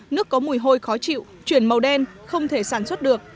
nước có mùi hôi khó chịu chuyển màu đen không thể sản xuất được